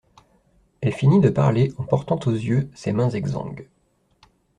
Elle finit de parler en portant aux yeux ses mains exangues.